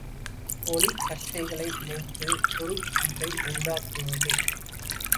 ஒளிக்கற்றைகளை இணைத்துக் குறுக் கீட்டை உண்டாக்குவது.